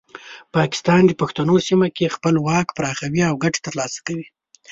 پاکستان د پښتنو سیمه کې خپل واک پراخوي او ګټې ترلاسه کوي.